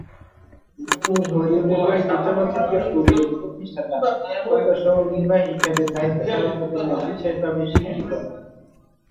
তিনি হলিউডে কয়েকটি চলচ্চিত্র স্টুডিওর প্রতিষ্ঠাতা সদস্য ও নির্বাহী হিসেবে দায়িত্ব পালনের জন্য বিশেষভাবে স্বীকৃত।